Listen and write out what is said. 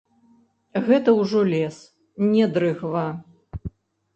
Гэта ўжо лес, не дрыгва.